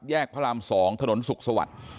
แยกพระราม๒ถนนสุขสวรรค์